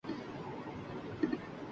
اس کے بغیر کوئی چارہ نہیں۔